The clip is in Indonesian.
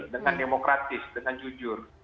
dengan demokratis dengan jujur